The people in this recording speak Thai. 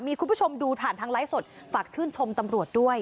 มีคุณผู้ชมดูผ่านทางไลฟ์สดฝากชื่นชมตำรวจด้วย